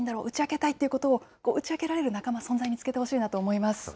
打ち明けたいっていうことを打ち明けられる仲間、存在見つけてほしいと思います。